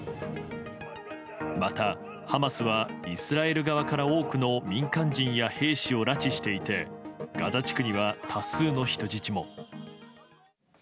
また、ハマスはイスラエル側から多くの民間人や兵士を拉致していてガザ地区には多数の人質も。